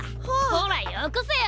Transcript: ほらよこせよ。